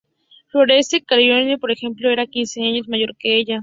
Florence Caroline, por ejemplo, era quince años mayor que ella.